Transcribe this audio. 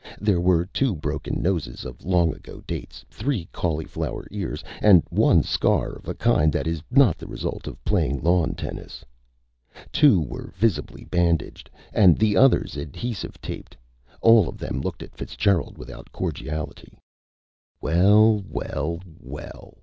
There were two broken noses of long ago dates, three cauliflower ears, and one scar of a kind that is not the result of playing lawn tennis. Two were visibly bandaged, and the others adhesive taped. All of them looked at Fitzgerald without cordiality. "Well, well, well!"